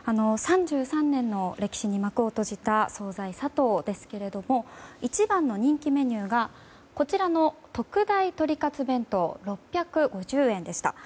３３年の歴史に幕を閉じた惣菜さとうですけれども一番の人気メニューがこちらの特大鳥カツ弁当６５０円でした。